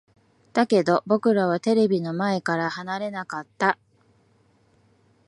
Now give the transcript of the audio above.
だけど、僕らはテレビの前から離れなかった。